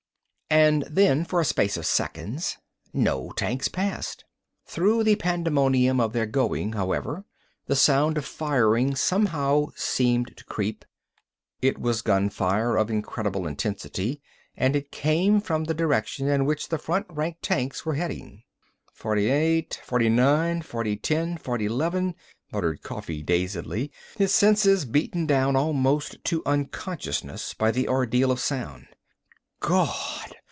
And then, for a space of seconds, no tanks passed. Through the pandemonium of their going, however, the sound of firing somehow seemed to creep. It was gunfire of incredible intensity, and it came from the direction in which the front rank tanks were heading. "Forty eight, forty nine, forty ten, forty 'leven," muttered Coffee dazedly, his senses beaten down almost to unconsciousness by the ordeal of sound. "Gawd!